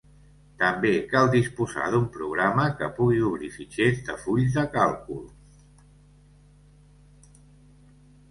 També cal disposar d'un programa que pugui obrir fitxers de fulls de càlcul.